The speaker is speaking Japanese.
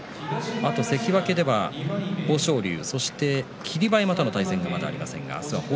あと関脇以下は豊昇龍そして霧馬山と対戦がまだ残っています。